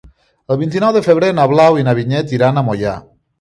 El vint-i-nou de febrer na Blau i na Vinyet iran a Moià.